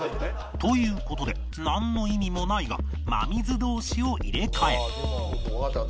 という事でなんの意味もないが真水同士を入れ替える